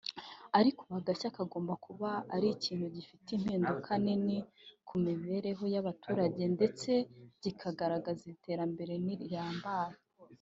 ariko ubu agashya kagomba kuba ari ikintu gifite impinduka nini ku mibereho y’abaturage ndetse kigaragaza iterambere rirambye